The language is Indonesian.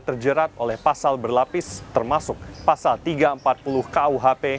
terjerat oleh pasal berlapis termasuk pasal tiga ratus empat puluh kuhp